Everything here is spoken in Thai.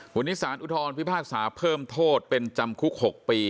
วันนี้สารอุทธรพิพากษาเพิ่มโทษเป็นจำคุก๖ปี